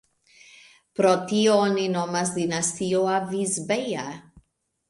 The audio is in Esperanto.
Pro tio oni nomas Dinastio Avis-Beja.